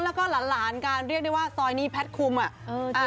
แล้วก็หลานการเรียกได้ว่าซอยนี้แพทย์คุมอ่ะ